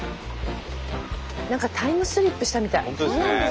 何かタイムスリップしたみたい。